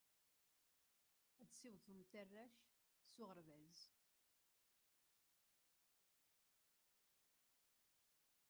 Ad ssiwḍent igerdan s aɣerbaz.